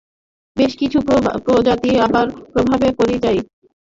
বেশ কিছু প্রজাতি আবার স্বভাবে পরিযায়ী।